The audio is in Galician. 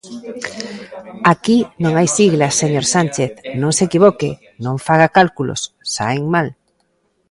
Aquí non hai siglas, señor Sánchez, non se equivoque, non faga cálculos, saen mal.